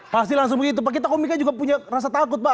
pasti langsung begitu pak kita komika juga punya rasa takut pak